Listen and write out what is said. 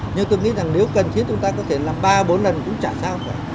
nhưng tôi nghĩ rằng nếu cần thiết chúng ta có thể làm ba bốn lần cũng trả sao cả